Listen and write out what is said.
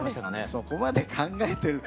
そこまで考えてる。